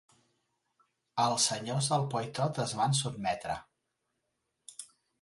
Els senyors del Poitou es van sotmetre.